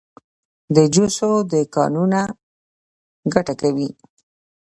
د جوسو دکانونه ګټه کوي؟